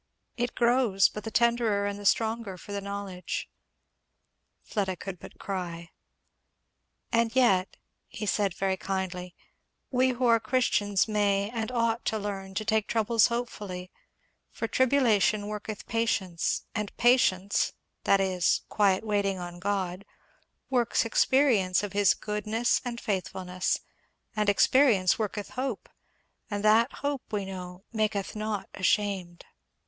it grows but the tenderer and the stronger for the knowledge." Fleda could but cry. "And yet," said he very kindly, "we who are Christians may and ought to learn to take troubles hopefully; for 'tribulation worketh patience; and patience,' that is, quiet waiting on God, 'works experience' of his goodness and faithfulness; 'and experience worketh hope; and that hope, we know, 'maketh not ashamed.'"